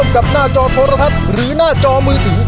กับหน้าจอโทรทัศน์หรือหน้าจอมือถือ